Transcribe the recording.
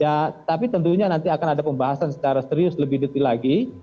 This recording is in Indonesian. ya tapi tentunya nanti akan ada pembahasan secara serius lebih detail lagi